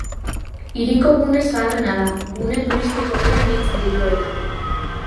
Hiriko gune zaharrena da, gune turistiko gehien biltzen dituena.